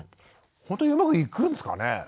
ほんとにうまくいくんですかね。